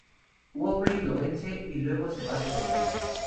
Wolverine lo vence y luego se va de Tokio.